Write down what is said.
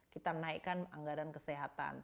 kita menaikkan anggaran kesehatan